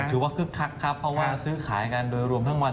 คึกคักครับเพราะว่าซื้อขายกันโดยรวมทั้งวัน